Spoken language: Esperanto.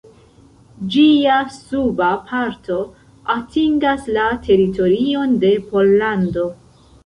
Ĝia suba parto atingas la teritorion de Pollando.